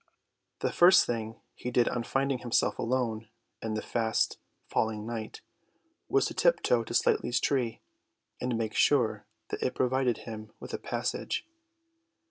The first thing he did on finding himself alone in the fast falling night was to tiptoe to Slightly's tree, and make sure that it provided him with a passage.